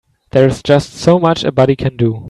There's just so much a body can do.